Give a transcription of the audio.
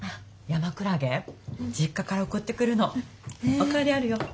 お代わりあるよ。